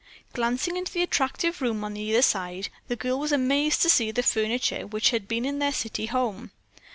Glancing into the attractive room on either side, the girl was amazed to see the furniture which had been in their city home.